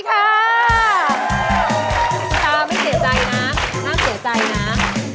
ตาไม่เสียใจนะน่าเสียใจนะ